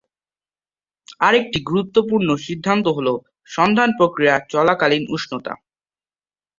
আরেকটি গুরুত্বপূর্ণ সিদ্ধান্ত হল সন্ধান প্রক্রিয়া চলাকালীন উষ্ণতা।